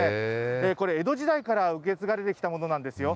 これ、江戸時代から受け継がれてきたものなんですよ。